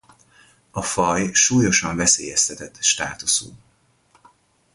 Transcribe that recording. A faj súlyosan veszélyeztetett státuszú.